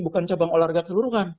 bukan cabang olahraga seluruh kan